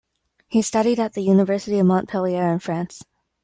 He studied at the University of Montpellier in France.